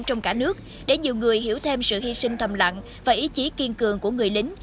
trong cả nước để nhiều người hiểu thêm sự hy sinh thầm lặng và ý chí kiên cường của người lính